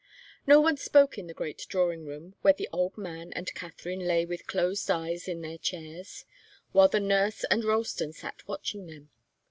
No one spoke in the great drawing room where the old man and Katharine lay with closed eyes in their chairs, while the nurse and Ralston sat watching them.